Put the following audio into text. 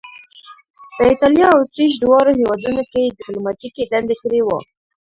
په ایټالیا او اتریش دواړو هیوادونو کې یې دیپلوماتیکې دندې کړې وې.